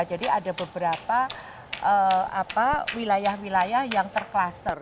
jadi ada beberapa apa wilayah wilayah yang terkluster